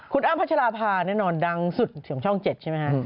คุณอ้ำพัชราภาแน่นอนดังสุดของช่อง๗ใช่ไหมฮะ